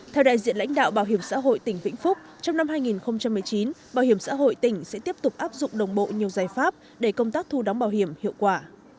theo đại diện lãnh đạo bảo hiểm xã hội tỉnh vĩnh phúc trong năm hai nghìn một mươi chín bảo hiểm xã hội tỉnh sẽ tiếp tục áp dụng đồng bộ nhiều giải pháp để công tác thu đóng bảo hiểm hiệu quả